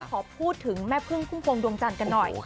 ขอพูดถึงแม่พึ่งพุ่มพวงดวงจันทร์กันหน่อย